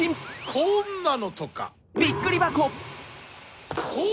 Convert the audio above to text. こんなのとか！